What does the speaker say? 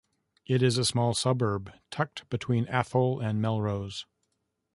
It is a small suburb tucked between Athol and Melrose.